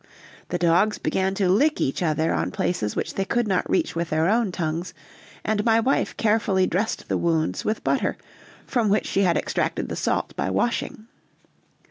The dogs began to lick each other on the places which they could not reach with their own tongues, and my wife carefully dressed the wounds with butter, from which she had extracted the salt by washing.